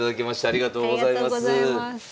ありがとうございます。